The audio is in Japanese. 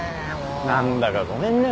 何だかごめんね。